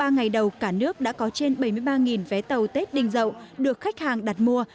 ba ngày đầu cả nước đã có trên bảy mươi ba vé tàu tết đình dậu được khách hàng đặt mua